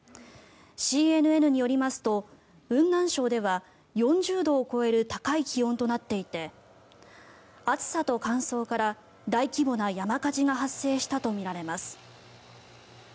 ＣＮＮによりますと雲南省では４０度を超える高い気温となっていて暑さと乾燥から大規模な山火事が発生したとみられます。